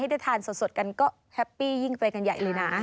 ได้ทานสดกันก็แฮปปี้ยิ่งไปกันใหญ่เลยนะ